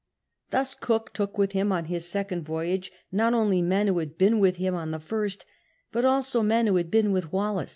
Thus Cook took with him on his second voyage not only men who had been with him on the first, but also men who had been with Wallis.